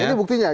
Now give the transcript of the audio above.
ini buktinya ya